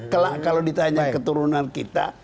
kalau ditanya keturunan kita